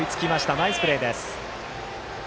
ナイスプレーです。